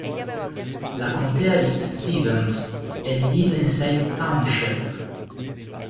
La contea di Stevens è divisa in sei township.